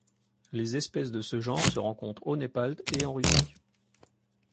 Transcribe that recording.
Les espèces de ce genre se rencontrent au Népal et en Russie.